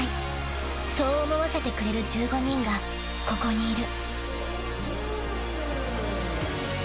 ［そう思わせてくれる１５人がここにいる］